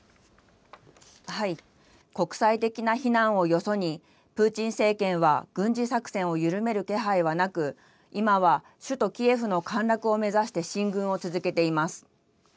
国際的な非難をよそに、プーチン政権は軍事作戦を緩める気配はなく、今は首都キエフの陥落を目指して進軍を続けています。